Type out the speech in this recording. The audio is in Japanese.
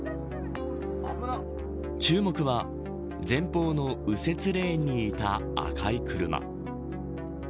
注目は前方の右折レーンにいた赤い車。